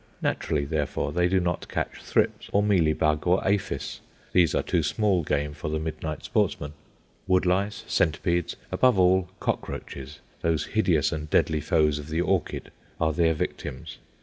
Naturally, therefore, they do not catch thrips or mealy bug or aphis; these are too small game for the midnight sports man. Wood lice, centipedes, above all, cockroaches, those hideous and deadly foes of the orchid, are their victims.